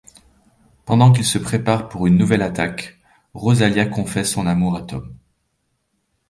Pendant qu'ils se préparent pour une nouvelle attaque, Rosalia confesse son amour à Tom.